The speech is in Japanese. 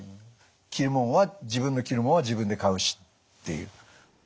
着るもんは自分の着るもんは自分で買うしっていう。